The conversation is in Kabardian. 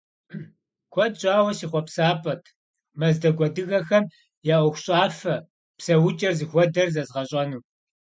Куэд щӏауэ си хъуэпсапӏэт мэздэгу адыгэхэм я ӏуэхущӏафэ, псэукӏэр зыхуэдэр зэзгъэщӏэну.